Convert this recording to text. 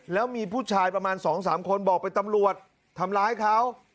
แล้วมีผู้ชายประมาณ๒๓คนบอกเป็นตำรวจทำร้ายเขา